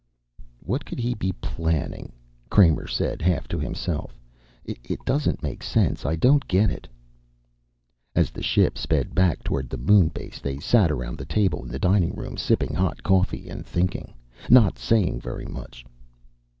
"What could he be planning," Kramer said, half to himself. "It doesn't make sense. I don't get it." As the ship sped back toward the moon base they sat around the table in the dining room, sipping hot coffee and thinking, not saying very much.